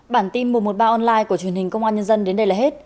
bản tin mùa một ba online của truyền hình công an nhân dân đến đây là hết